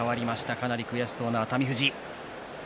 かなり悔しそうな熱海富士。